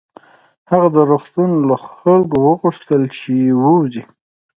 هغه د روغتون له خلکو وغوښتل چې ووځي